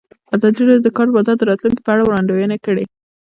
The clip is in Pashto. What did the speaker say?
ازادي راډیو د د کار بازار د راتلونکې په اړه وړاندوینې کړې.